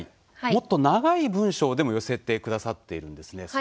もっと長い文章でも寄せてくださっているんです。